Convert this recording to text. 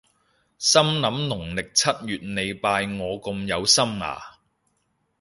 心諗農曆七月你拜我咁有心呀？